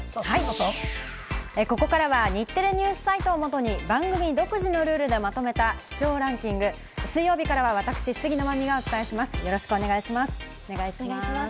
ここからは日テレＮＥＷＳサイトを元に番組独自のルールでまとめた視聴ランキング、水曜日からは私、杉野真実がお伝えします、よろしくお願いします。